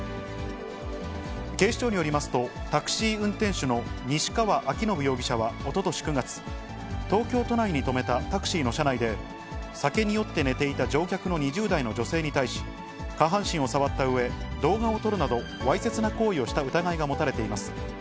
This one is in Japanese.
警視庁によりますと、タクシー運転手の西川明伸容疑者はおととし９月、東京都内に止めたタクシーの車内で、酒に酔って寝ていた乗客の２０代の女性に対し、下半身を触ったうえ、動画を撮るなど、わいせつな行為をした疑いが持たれています。